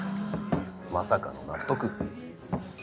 まさかの納得。